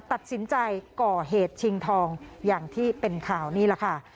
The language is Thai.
ตัดสินใจก่อเหตุชิงทองอย่างที่เป็นข่าวนี่แหละค่ะ